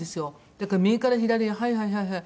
だから右から左へ「はいはいはいはい」